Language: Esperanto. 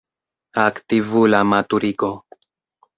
Aktivula maturigo.